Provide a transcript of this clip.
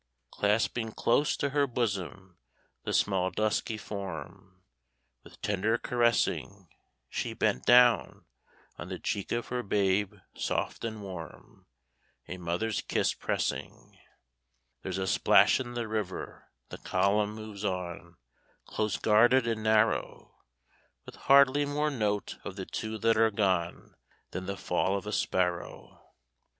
Clasping close to her bosom the small dusky form, With tender caressing, She bent down, on the cheek of her babe soft and warm A mother's kiss pressing. There's a splash in the river the column moves on, Close guarded and narrow, With hardly more note of the two that are gone Than the fall of a sparrow.